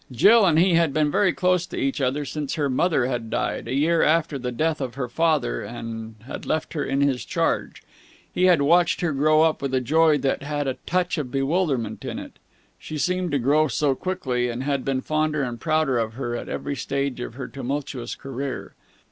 Jill and he had been very close to each other since her mother had died, a year after the death of her father, and had left her in his charge. He had watched her grow up with a joy that had a touch of bewilderment in it she seemed to grow so quickly and had been fonder and prouder of her at every stage of her tumultuous career.